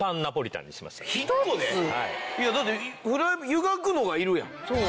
いやだって湯がくのがいるやん。